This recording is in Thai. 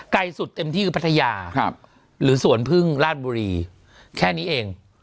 ไกลสุดเต็มที่คือพัทยาหรือสวนพึ่งราชบุรีแค่นี้เอง